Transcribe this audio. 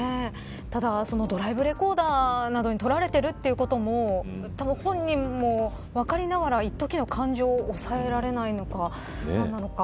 ただ、ドライブレコーダーなどに撮られているということも本人も分かりながら一時の感情を押抑えられないのか何なのか。